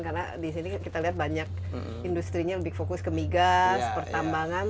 karena di sini kita lihat banyak industri nya lebih fokus ke migas pertambangan